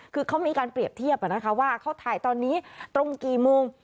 คือเขามีการเปรียบเทียบว่าเขาถ่ายตอนนี้ตรงกี่โมง